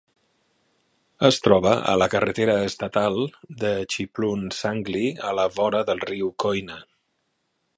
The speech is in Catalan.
Es troba a la carretera estatal de Chiplun-Sangli a la vora del riu Koyna.